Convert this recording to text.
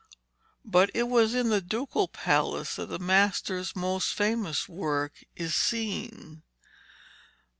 But it is in the Ducal Palace that the master's most famous work is seen.